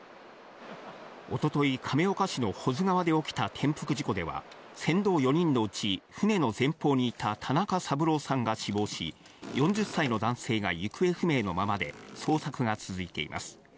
一昨日、亀岡市の保津川で起きた転覆事故では、船頭４人のうち、船の前方にいた田中三郎さんが死亡し、４０歳の男性が行方不明のままで、捜索が続いています。